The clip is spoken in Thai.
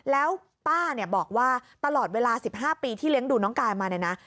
แล้วป้าบอกว่าตลอดเวลา๑๕ปีที่เลี้ยงดูน้องกายมา